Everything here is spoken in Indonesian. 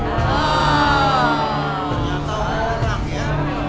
oh nyata orang ya